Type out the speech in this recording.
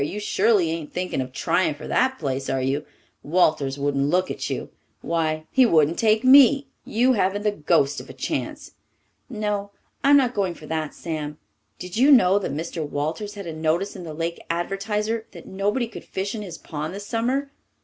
You surely ain't thinking of trying for that place, are you? Walters wouldn't look at you. Why, he wouldn't take me! You haven't the ghost of a chance." "No, I'm not going for that. Sam, did you know that Mr. Walters had a notice in the Lake Advertiser that nobody could fish in his pond this summer?"